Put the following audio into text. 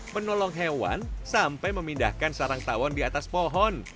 menolong hewan sampai memindahkan sarang tawon di atas pohon